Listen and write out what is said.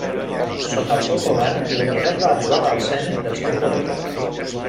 Sota el seu govern l'emirat va arribar al zenit del seu poder.